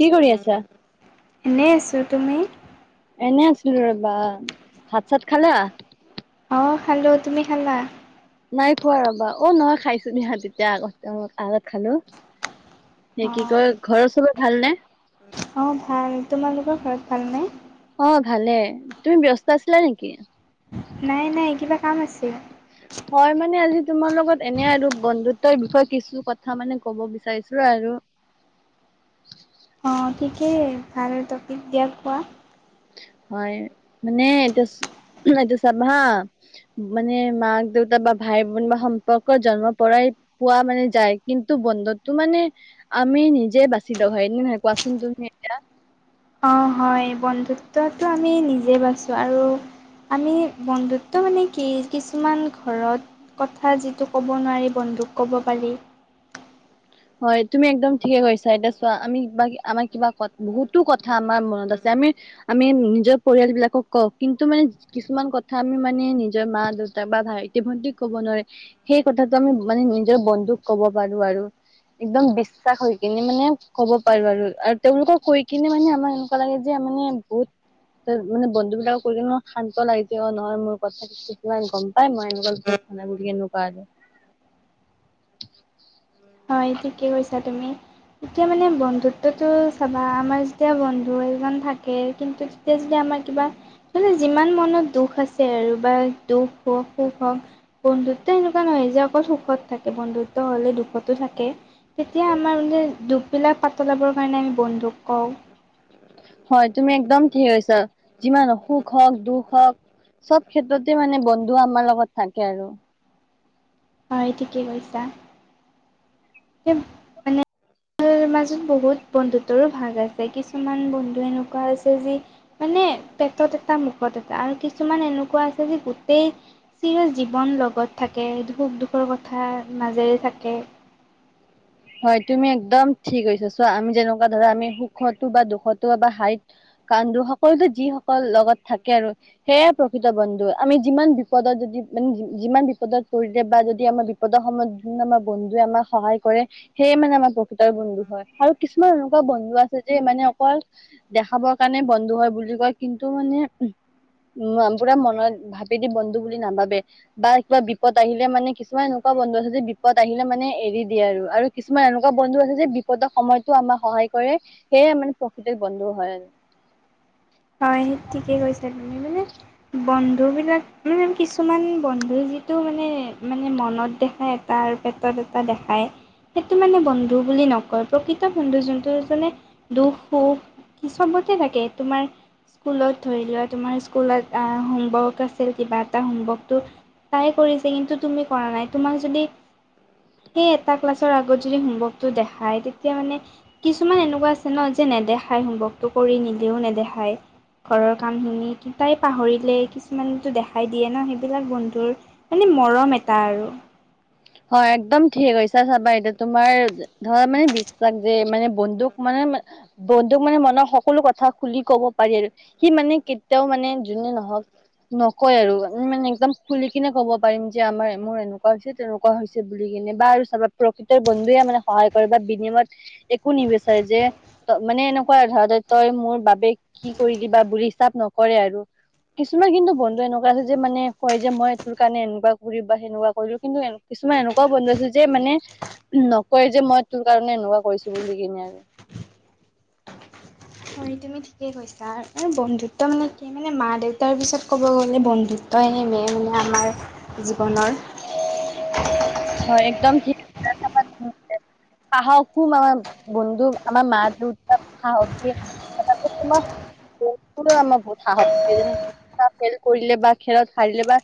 কি কৰি আছা? এনেই আছো। তুমি? এনে আছিলো ৰবা। ভাত-চাত খালা। অঁ খালো। তুমি খালা? নাই খোৱা ৰবা। অ' নহয় খাইছো ইহঁততিয়া আগতে আগত খালো। সেই কি অঁ কয়, ঘৰৰ চবেৰে ভালনে? অঁ ভাল, তোমালোকৰ ঘৰত ভালনে? অ' ভালে। তুমি ব্যস্ত আছিলা নেকি? নাই, নাই কিবা কাম আছে। হয় মানে আজি তোমাৰ লগত এনে আৰু বন্ধুত্বৰ বিষয়ে কিছু কথা মানে কব বিচাৰিছো আৰু। [unintelligible] অঁ ঠিকেই ভাল টপিক দিয়া কোৱা। হয় মানে এতিয়া। এইটো চাব হা মানে মাক দেউতা বা ভাই বন বা সম্পৰ্ক জন্মৰ পৰাই। পোৱা মানে যায় কিন্তু বন্ধুতটো মানে আমি নিজে বাচি লোৱা হয় এনে নহয় কোৱাচোন তুমি। এতিয়া। অ হয় বন্ধুত্বটো আমি নিজে বাচো আৰু। আমি বন্ধুত্ব মানে কি কিছুমান ঘৰত কথা যিটো ক'ব নোৱাৰি বন্ধু। দুক ক'ব পাৰি। [inaudible] হয় তুমি একদম ঠিকে কছা এতিয়া চোৱা আমি কিবা আমাৰ কিবা ক বহুতো কথা আমাৰ মনত আছে। আমি আমি নিজৰ পৰিয়াল বিলাকক কওঁ কিন্তু মানে কিছুমান কথা আমি মানে নিজৰ মা দেউতা। বা ভাইটি ভন্টিক ক'ব নোৱাৰে। সেই কথাটো আমি মানে নিজৰ বন্ধুক ক'ব পাৰো আৰু। একদম বিশ্বাস হৈ কিনে মানে কব পাৰো আৰু আৰু তেওঁলোকক কৈ কিনে মানে আমাক এনেকুৱা লাগে যে মানে বহুত ত মানে বন্ধু বিলাকক কৈ কিনে মোৰ শান্ত লাগে যে অ নহয় মোৰ কথা কিমান গম পাই মই এনেকুৱা বুলি এনেকুৱা আৰু। হয় ঠিকে কৈছা তুমি। এতিয়া মানে বন্ধুত্বটো চাবা, আমাৰ যেতিয়া বন্ধু এজন থাকে কিন্তু তেতিয়া আমাৰ কিবা যিমান মনত দুখ আছে আৰু বা দুখ হওক, সুখ হওক। বন্ধুত্ব এনেকুৱা নহয় যে অকল সুখত থাকে। বন্ধুত্ব হ'লে দুখত থাকে। তেতিয়া আমাৰ মানে দুখ বিলাক পাতলাবৰ কাৰণে আমি বন্ধুক কওঁ। হয়, তুমি একদম ঠিকে কৈছা। যিমান হওঁক সুখ হওঁক, দুখ হওঁক চব ক্ষেত্ৰতে মানে বন্ধু আমাৰ লগত থাকে আৰু। হয়, ঠিকে কৈছা। এ মানে মাজত বহুত বন্ধুত্বৰো ভাগ আছে। কিছুমান বন্ধু এনেকুৱা আছে যি মানে পেটত এটা, মুখত এটা আৰু কিছুমান এনেকুৱা আছে যে গোটেই চিৰ জীৱন লগত থাকে। সুখ-দুখৰ কথা মাজেৰে থাকে। [inaudible] তুমি এক্দম ঠিক হৈছে চোৱা। আমি যেনেকুৱা ধৰা আমি সুখতো বা দুখটো বা হাঁহি-কান্দোন সকলোতে যিসকল লগত থাকে আৰু সেইয়াই প্ৰকৃত বন্ধু। আমি যিমান বিপদত যদি মানে যিমান বিপদত পৰিলে বা যদি আমাৰ বিপদৰ সময়ত যদি আমাৰ বন্ধুৱে আমাক সহায় কৰে সেয়ে মানে আমাৰ প্ৰকৃতৰ বন্ধু হয়। আৰু কিছুমান এনেকুৱা বন্ধু আছে যে মানে অকল দেখাবৰ কাৰণে বন্ধু হয় বুলি কয়, কিন্তু মানে উ পুৰা মনত ভাবেদি বন্ধু বুলি নাভাবে বা কিবা বিপদ আহিলে মানে কিছুমান এনেকুৱা বন্ধু আছে যে বিপদ আহিলে মানে এৰি দিয়ে আৰু কিছুমান এনেকুৱা বন্ধু আছে যে বিপদৰ সময়তো আমাক সহায় কৰে। সেয়ে মানে প্ৰকৃতিত বন্ধু হয় আৰু। [inaudible] হয় ঠিকে কৈছা তুমি। মানে বন বন্ধু বিলাক ও কিছুমান বন্ধু যিটো মানে মানে মনত দেখায় এটা আৰু পেটত টা দেখায়। সেইটো মানে বন্ধু বুলি নকয়। প্ৰকৃত বন্ধু যোনটো যোনে দুখ সুখ কি চবতে থাকে। তোমাৰ স্কুলত ধৰি লোৱা তোমাৰ স্কুলত আ হোমৱৰ্ক আছিল কিবা এটা। হোমৱৰ্কটো তাই কৰিছে কিন্তু তুমি কৰা নাই। তোমাক যদি সেই এটা ক্লাছৰ আগত যদি হোমৱৰ্কটো দেখায় তেতিয়া মানে কিছুমান এনেকুৱা আছে ন যে নেদেখায়, হোমৱৰ্কটো কৰি নিলেও নেদেখায়। ঘৰৰ কামখিনি তাই পাহৰিলে কিছুমানেটো দেখাই দিয়ে ন। সেইবিলাক বন্ধুৰ মানে মৰম এটা আৰু। হয় একদম ঠিকে কৈছা। চাবা এতিয়া তোমাৰ ধৰা মানে বিশ্বাস যে মানে বন্দুক মানে বন্ধুক মানে মনৰ সকলো কথা খুলি ক'ব পাৰি আৰু। সি মানে কেতিয়াও মানে যোনে নহক নকয় আৰু একদম খুলি কিনে ক'ব পাৰিম যে আমাৰ মোৰ এনেকুৱা হৈছে তেনেকুৱা হৈছে বুলি কিনে বা আৰু চাবা প্ৰকৃতৰ বন্ধুৱে মানে সহায় কৰে বা বিনিমত একো নিবিচাৰে যে ত মানে এনেকুৱা ধৰা তই মোৰ বাবে কি কৰি কিবা বুলি হিচাপ নকৰে আৰু। কিছুমান কিন্তু বন্ধু এনেকুৱা আছে যে মানে কয় যে মই কাৰণে এনেকুৱা কৰিম বা সেনেকুৱা কৰিলো। কিন্তু কিছুমান এনেকুৱাও বন্ধু আছে যে মানে নকয় যে মই ই তোৰ কাৰণে এনেকুৱা কৰিছো বুলি কিনে আৰু। হয় তুমি ঠিকেই কৈছা। বন্ধুত্ব মানে কি মানে মা দেউতাৰ পিছত ক'ব গ'লে বন্ধুত্বই মেইন আমাৰ জীৱনৰ। [inaudible] হয়, একদম ঠিক। [unintelligible] পাহাৰকো মানে বন্ধু আমাৰ [unintelligible] সাহস দিয়ে। [unintelligible] [unintelligible] আমাক বহুত সাহস দিয়ে - কিবা খেল কৰিলে বা খেলত হাৰিলে বা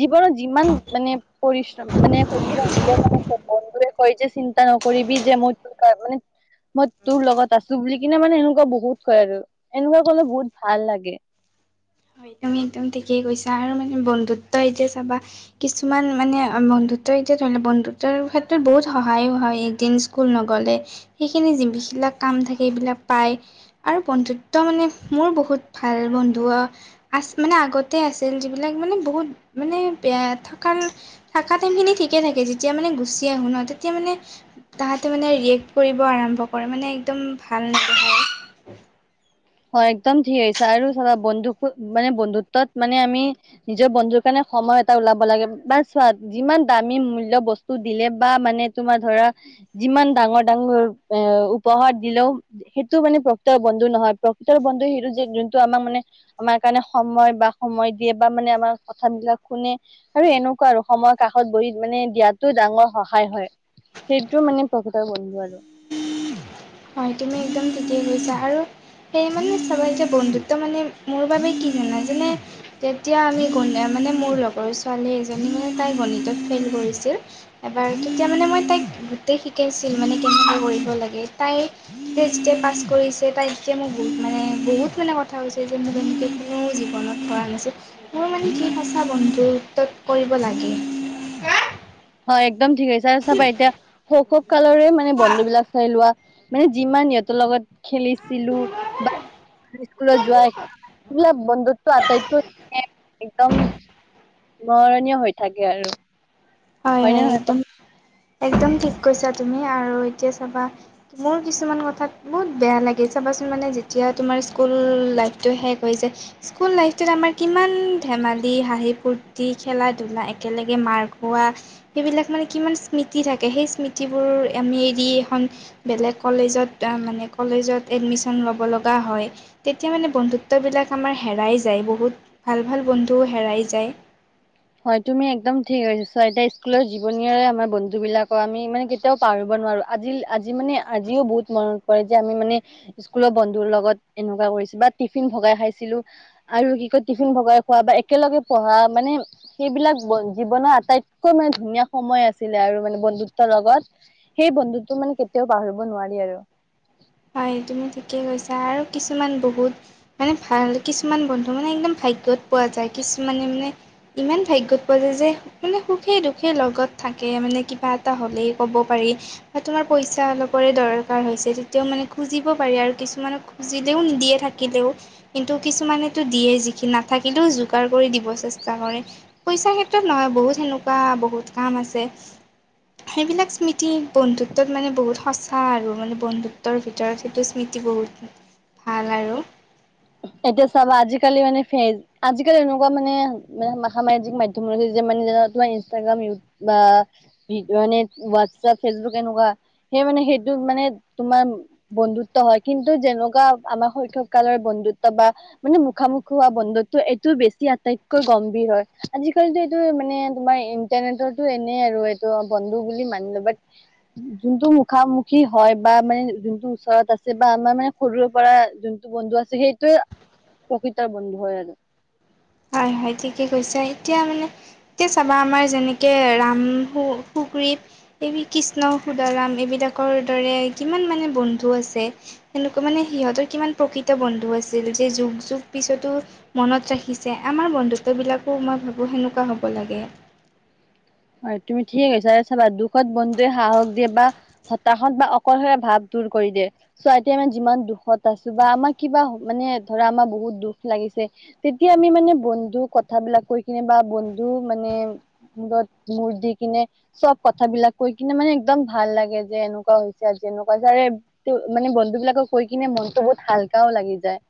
জীৱনৰত যিমান মানে পৰিশ্ৰম মানে [unintelligible] মানে বন্ধুেৱে কয় যে চিন্তা নকৰিবি যে মই তোৰ মানে মই তোৰ লগত আছো বুলি কিনে মানে এনেকুৱা বহুত কয় আৰু এনেকুৱা কলে বহুত ভাল লাগে। হয় তুমি ঠিকেই কৈছা আৰু মানে বন্ধুত্বয়ে যে চাবা কিছুমান মানে বন্ধুত্বয়ে যে ধৰি লওঁক বন্ধুত্বৰ ক্ষেত্ৰত বহুত সহায়ো হয়। এদিন স্কুল নগলে সেইখিনি যিলাক কাম থাকে এইবিলাক পায়, আৰু বন্ধুত্ব মানে মোৰ বহুত ভাল বন্ধুৰ আছে মানে আগতে আছিল, যিবিলাক মানে বহুত মানে বেয়া থকাৰ থকা টাইমখিনি ঠিকে থাকে যি যেতিয়া মানে গুচি আহোঁ ন তেতিয়া মানে তাহাঁতে মানে ৰিয়েকট কৰিব আৰম্ভ কৰে মানে একদম ভাল নেদেখায়। হয় একদম ধিৰ হৈছে আৰু চাবা বন্ধুক মানে বন্ধুত্বত মানে আমি নিজৰ বন্ধু পা মানে সময় এটা ওলাব লাগে বা চোৱা যিমান দামী মূল্য বস্তু দিলে বা মানে তোমাৰ ধৰা যিমান ডাঙৰ ডাঙৰ এ উপহাৰ দিলেও সেইটো মানে প্ৰকৃতৰ বন্ধু নহয়, প্ৰকৃতৰ বন্ধু সেইটো যে যো টো আমাক মানে, আমাৰ কাৰণে সময় বা সময় দিয়ে বা মানে আমাৰ কথাবিলাক শুনে আৰু এনেক নেকোৱা আৰু সময়ৰ কাষত বহি মানে দিয়াতো ডাঙৰ সহায় হয়। সেইটোও মানে প্ৰকৃতৰ বন্ধু বাৰু হয় তুমি একদম ঠিকেই কৈছা আৰু সেই মানে চাবা যেতিয়া বন্ধুত্ব মানে মোৰ বাবে কি জানা যেনে যেতিয়া আমি গলে মানে মোৰ লগৰ ছোৱালী এজনী মানে তাই গণিতত ফেইল কৰিছিল। এবাৰ তেতিয়া মানে মই তাইক গোটেই শিকাইছিল মানে কেনেকৈ কৰিব লাগে। তাই যে যেতিয়া পাছ কৰিছে তাই তেতিয়া মোৰ বহুত মানে বহুত মানে কথা হৈছে যে মোৰ তেনে কোনে জীৱনত কৰা নাছিল। মোৰ মানে কি সঁচা বন্ধুত্ব কৰিব লাগে। অ একদম ঠিকে কৈছা। চাবা এতিয়া সৰু সৰু কালৰে মানে বন্ধু বিলাক চাই লোৱা, মানে যিমান সিহঁতৰ লগত খেলিছিলো বা স্কুলত যোৱাই এইবিলাক বন্ধুতটো আটাইতকৈ একদম মৰণীয় হৈ থাকে আৰু। হয় হয়নে হয় নহয় কোৱা? একদম একদম ঠিক কৈছা তুমি আৰু এতিয়া চাবা মোৰ কিছুমান কথাত বহুত বেয়া লাগে চাবা চোন মানে যেতিয়া তোমাৰ স্কুল লাইফটো শেষ হৈ যায় স্কুল লাইফটোত আমাৰ কিমান ধেমালি- হাঁহি ফুৰ তি, খেলা- ধূলা, একেলগে মাৰ খোৱা সেইবিলাক মানে কিমান স্মৃতি থাকে সেই স্মৃতিবোৰ আমি এৰি এখন বেলেগ কলেজত মানে কলেজত এডমিশন ল'ব লগা হয়। তেতিয়া মানে বন্ধুত্ববিলাক আমাৰ হেৰাই যায় বহুত ভাল ভাল বন্ধু হেৰাই যায়। হয় তুমি একদম ঠিক কৈছা, এতিয়া স্কুলৰ জীৱনীৰে আমাৰ বন্ধুবিলাকৰ আমি মানে কেতিয়াও পাহৰিব নোৱাৰো আজি আজি মানে আজিও বহুত মনত পৰে যে আমি মানে স্কুলৰ বন্ধুৰ লগত এনেকুৱা পৰিছিল বা টিফিন ভগাই খাইছিলো আৰু কি কয় টিফিন ভগাই খোৱা বা একেলগে পঢ়া মানে সেইবিলাক বন জীৱনৰ আটাইতকৈ মানে ধুনীয়া সময় আছিলে আৰু মানে বন্ধুত্বৰ লগত। সেই বন্ধুতটো মানে কেতিয়াও পাহৰিব নোৱাৰি আৰু। হয় তুমি ঠিকেই কৈছা আৰু কিছুমান বহুত মানে ভাল কিছুমান বন্ধু মানে একদম ভাগ্যত পোৱা যায় কিছুমানে মানে ইমান ভাগ্যত পোৱা যোয় যে মানে সুখেই দুখে লগত থাকে মানে কিবা এটা হ'লেই ক'ব পাৰি। তোমাৰ পইচা অলপৰে দৰকাৰ হৈছে তেতিয়াও মানে খুজিব পাৰি আৰু কিছুমানক খুজিলেও নিদিয়ে থাকিলেও কিন্তু কিছুমানেতো দিয়ে যিখিনি নাথা থাকিলেও যোগাৰ কৰি দিব চেষ্টা কৰে পইচা। নহয় বহুত সেনেকুৱা বহুত কাম আছে। সেইবিলাক স্মৃতি বন্ধুত্বত মানে বহুত সঁচা আৰু মানে বন্ধুত্বৰ ভিতৰত। সেইটোটো স্মৃতি বহুত ন। এতিয়া চাবা আজি। কালি মানে ফেচ আজিকালি এনেকুৱা মানে ম সামাজিক মাধ্যমত যে মানে তোমাৰ ইনষ্টাগ্ৰাম। [unintelligible] তোমাৰ বন্ধুত্ব হয় কিন্তু যেনেকুৱা। আমাৰ শৈশৱ কালৰ বন্ধুত্ব বা, মানে মুখামুখি হোৱা বন্ধুত্ব এইটোও বেছি আটাইতকৈ গম্ভীৰ। হয় আজিকালিটো এইটো মানে তোমাৰ ইন্টাৰনেটৰটো এনেই আৰু এইটো বন্ধু বুলি মানি ল'ব। যোনটো মুখামুখি হয় বা, মানে যোনটো ওচৰত আছে বা আমাৰ মানে সৰুৰে। পৰা যোনটো বন্ধু আছে সেইটোোৱে প্ৰকৃতাৰ বন্ধু হয় আৰু। হয় হয় ঠিকে কৈছে। এতিয়া মানে এতিয়া চাবা আমাৰ যেনেকে ৰাম শুক, কৃষ্ণ সুৰা এইবিলাকৰ দৰে কি মানে বন্ধু আছে। এনেকুৱা মানে সিহঁতৰ কিমান প্ৰকৃত বন্ধু আছিল যে যুগ যুগ পিছতো। মনত ৰাখিছে আমাৰ বন্ধুত্ববিলাকো মই ভাবো সেনেকুৱা হ'ব লাগে। হয় তুমি ঠিক কৈছা চাবা দুখত বন্ধুৱে সাহস দিয়ে বা হতাশত বা অকলশৰে ভাৱ দূৰ কৰি। চোৱা এইতিয়া মানে যিমান দুখত আছো বা, আমাৰ কিবা মানে ধৰা আমাৰ বহুত দুখ লাগিছে। তেতিয়া আমি মানে বন্ধু কথাবিলাক কৈ কিনে বা বন্ধু মানে। মূৰ দি কিনে চব কথাবিলাক কৈ কিনে মানে একদম ভাল লাগে যে এনেকুৱা হৈছে আজি এনেকুৱা হৈছে। মানে বন্ধু বিলাকক কৈ কিনে মনতটো বহুত হাল্কাও লাগি যায়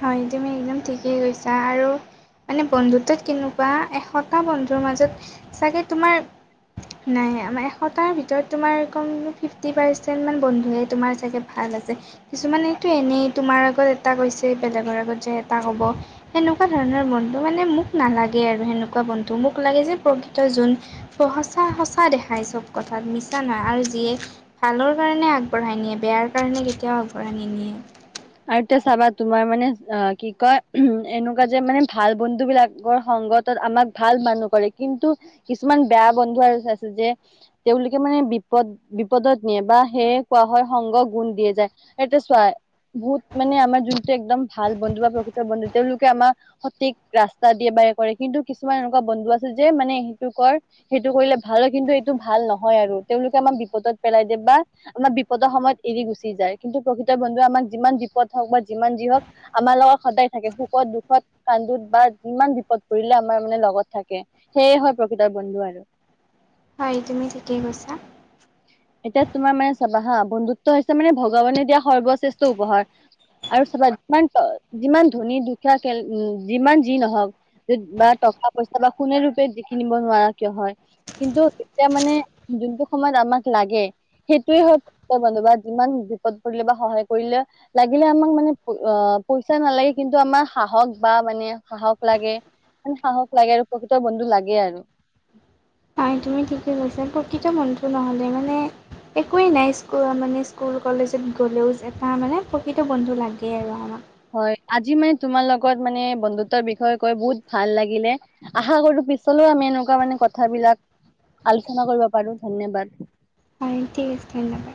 হয় তুমি একদম ঠিকেই গৈছা আৰু। মানে বন্ধুত্বত কেনেকোৱা এশটা বন্ধুৰ মাজত চাগে তোমাৰ। নাই আমাৰ এশতাৰ ভিতৰত তোমাৰম ফিফটি পাৰ্চেন্ট মান বন্ধুে তোমাৰ চাগে ভাল। কিছুমানেটো এনেই তোমাৰ আগত এটা কৈছে। যে বেলেগৰ আগত যায় এটা ক'ব সেনেকুৱা ধৰণৰ বন্ধু মানে মোক নালাগে আৰু সেনেকুৱা বন্ধু। মোক লাগে যে প্ৰকৃত যোন সঁচা সঁচা দেখায় চব কথাত মিছা নহয় আৰু যিয়ে। ভালৰ কাৰণে আগবঢ়াই নিয়ে বেয়াৰ কাৰণে কেতিয়াও আগবঢ়াই নি নিয়ে। আৰু এতিয়া চাবা, তোমাৰ মানে অ কি কয় উ এনেকুৱা যে মানে ভাল বন্ধু বিলাকৰ। সংগত আমাক ভাল মানুহ কৰে কিন্তু কিছুমান বেয়া বন্ধু আৰু আছে যে তেওঁলোকে মানে। বিপদ, বিপদত নিয়ে বা সেয়ে কোৱা হয় সংগ গুণ দিয়ে যায় এয়া চাই। বহুত মানে আমাৰ যোনটো একদম ভাল বন্ধু বা প্ৰকৃত বন্ধু তেওঁলোকে আমাৰ সঠিক ৰাস্তা দিয়ে। কৰে কিন্তু কিছুমান এনেকুৱা বন্ধু আছে যে, মানে সেইটো কৰ সেইটো কৰিলে ভাল হয় কিন্তু এইটো ভাল নহয়। তেওঁলোকে আমাক বিপদত পেলাই দিয়, বা আমাৰ বিপদৰ সময়ত এৰি গুচি যায় কিন্তু প্ৰকৃত বন্ধুে আমাক। যিমান বিপদ হওক বা যিমান যি হওঁক আমাৰ লগত সদায় থাকে সুখত দুখত। কান্দোত বা যিমান বিপদ। ত পৰিলে আমাৰ মানে লগত থাকে সেয়ে হয় প্ৰকৃতৰ বন্ধু আৰু। হয় তুমি ঠিকেই কৈছা। এতিয়া তোমাৰ মানে চাবা হা, বন্ধুত্ব হৈছে মানে ভগৱানে দিয়া সৰ্বশ্ৰেষ্ঠ উপহাৰ। আৰু চাবা যিমান, যিমান ধনী দুখীয়া যিমান যি নহওক বাটক। পইচা বা কোনে ৰূপে কিনিব নোৱাৰা কিয় হয় কিন্তু এতিয়া মানে যোনটো সময়ত। আমাক লাগে। সেইটোৱে হয় বন্ধু বা, যিমান বিপদ পৰিলে বা সহায় কৰিলে লাগিলে আমাক মানে অ। পইচা নালাগে কিন্তু আমাৰ সাহস বা মানে সাহস লাগে। মানে সাহস লাগে আৰু প্ৰকৃত বন্ধু লাগে আৰু। হয় তুমি ঠিকেই কৈছা, প্ৰকৃত বন্ধটো নহ'লে মানে। একোৱেই নাই স মানে স্কুল কলেজত গ'লেও এটা মানে প্ৰকৃত বন্ধু লাগেই আৰু আমাৰ। হয় আজি মানে তোমাৰ লগত মানে বন্ধুত্বৰ বিষয়ে কৈ বহুত ভাল লাগিলে আশা কৰো। তাৰ পিছলৈও আমি এনেকুৱা মানে কথাবিলাক আলোচনা কৰিব পাৰো ধন্যবাদ। হয় ঠিক আছে ধন্যবাদ।